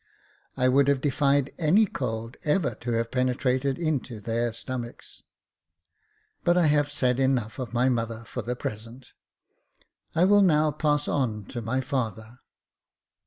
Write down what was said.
I would have defied any cold ever to have penetrated into their stomachs •,— but I have said enough of my mother for the present ; I will now pass on to my father.